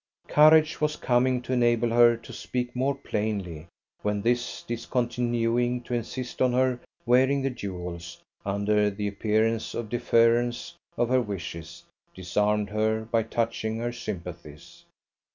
Courage was coming to enable her to speak more plainly, when his discontinuing to insist on her wearing the jewels, under an appearance of deference of her wishes, disarmed her by touching her sympathies.